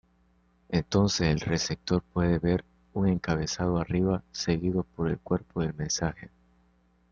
Entonces el receptor puede ver un encabezado arriba seguido por el cuerpo del mensaje.